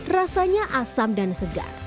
rasanya asam dan segar